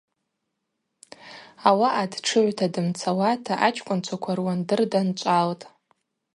Ауаъа дтшыгӏвта дымцауата ачкӏвынчваква руандыр данчӏвалтӏ.